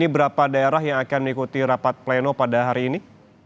berapa daerah yang akan mengikuti rapat pleno pada hari ini